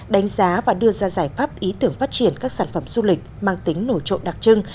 đánh giá và đưa ra giải pháp ý tưởng phát triển các sản phẩm du lịch mang tính nổi trội đặc trưng